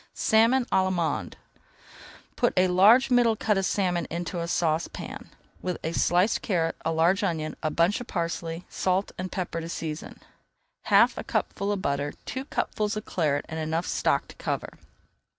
SALMON À L'ALLEMANDE Put a large middle cut of salmon into a saucepan, with a sliced carrot, a large onion, a bunch of parsley, salt and pepper to season, half a cupful of butter, two cupfuls of Claret, and enough stock to cover.